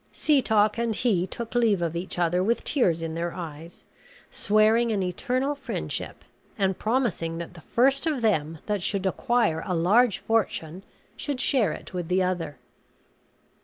Setoc and he took leave of each other with tears in their eyes, swearing an eternal friendship, and promising that the first of them that should acquire a large fortune should share it with the other.